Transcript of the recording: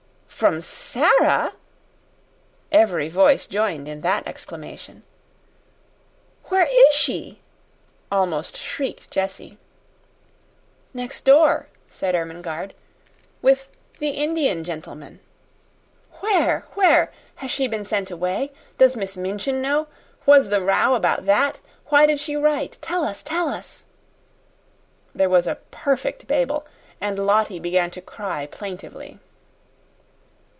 "From Sara!" Every voice joined in that exclamation. "Where is she?" almost shrieked Jessie. "Next door," said Ermengarde, "with the Indian gentleman." "Where? Where? Has she been sent away? Does Miss Minchin know? Was the row about that? Why did she write? Tell us! Tell us!" There was a perfect babel, and Lottie began to cry plaintively.